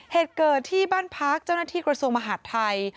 เหตุเกิดที่บ้านพักเจ้าหน้าที่กระทรวงมหาดไทย